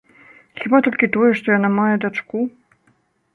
Хіба толькі тое, што яна мае дачку.